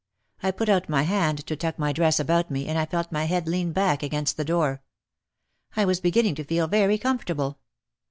I put out my hand to tuck my dress about me and I felt my head lean back against the door. I was beginning to feel very comfortable.